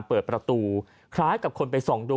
เปิดประตูคล้ายกับคนไปส่องดู